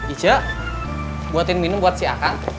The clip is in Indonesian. ica buatin minum buat si aang